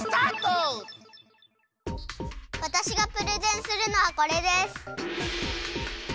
わたしがプレゼンするのはこれです。